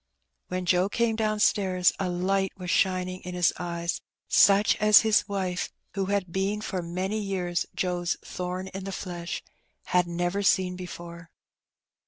When Joe came downstairs a light was shining in his eyes, such as his wife (who had been for many years Joe's "thorn in the flesh") had never seen before.